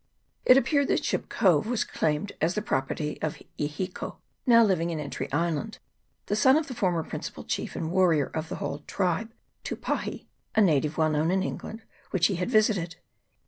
It appeared that Ship Cove was claimed as the property of E Hiko, now living in Entry Island, the son of the former principal chief and warrior of the whole tribe, Tupahi, a native well known in England, which he had visited.